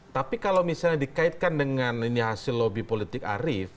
tapi kalau misalnya dikaitkan dengan ini hasil lobby politik arief